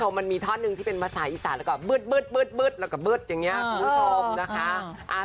น่ารักมันมีทอดนึงที่เป็นภาษาอีสาก็บึ๊ดแล้วก็บึ๊ดอย่างนี้คุณผู้ชมนะคะ